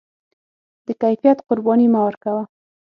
د کیفیت قرباني مه ورکوه.